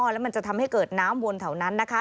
แล้วมันจะทำให้เกิดน้ำวนเท่านั้น